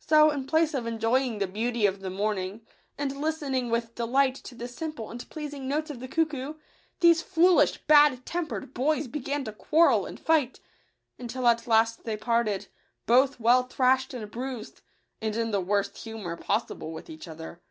So, in place of enjoying the beauty of the morning, and listening with delight to the simple and pleasing notes of the cuckoo, these foolish, bad tempered boys began to quarrel and fight, until at last they parted, both well thrashed and bruised, and in the worst humour possible with each other.